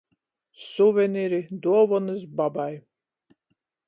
Suveniri, duovonys babai.